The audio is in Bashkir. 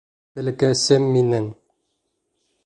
Бәләкәсем минең!